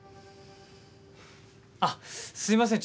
あっすいません